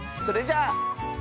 それじゃあ。